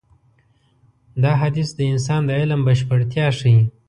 دا حديث د انسان د علم بشپړتيا ښيي.